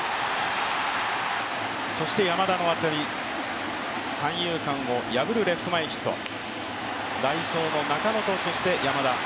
そして山田の当たり、三遊間を破るレフト前ヒット、代走の中野と、そして山田。